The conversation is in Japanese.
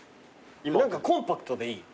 何かコンパクトでいい。